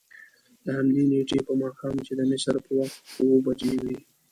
د همدې نېټې په ماښام چې د مصر په وخت اوه بجې وې.